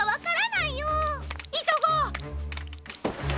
いそごう！